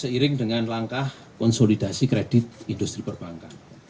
seiring dengan langkah konsolidasi kredit industri perbankan